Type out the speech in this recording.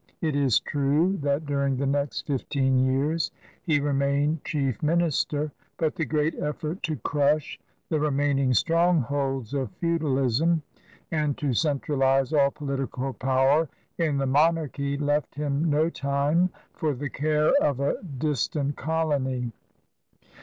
It is true that during the next fifteen years he remained chief minister, but the great effort to crush the remaining strongholds of feudalism and to central ize all political power in the monarchy left him no time for the care of a distant colony.